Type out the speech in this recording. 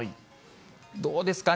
どうですかね？